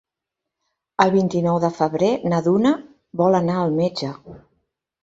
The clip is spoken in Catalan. El vint-i-nou de febrer na Duna vol anar al metge.